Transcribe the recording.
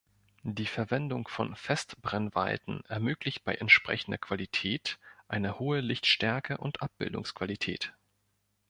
Die Verwendung von Festbrennweiten ermöglicht bei entsprechender Qualität eine hohe Lichtstärke und Abbildungsqualität.